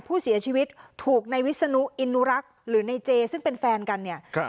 ผู้เสียชีวิตถูกในวิศนุอินุรักษ์หรือในเจซึ่งเป็นแฟนกันเนี่ยครับ